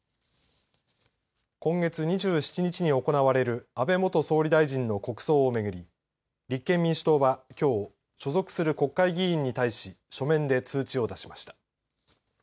今月２７日に行われる安倍元総理大臣の国葬を巡り立憲民主党は、きょう所属する国会議員に対し書面で通知を出しました。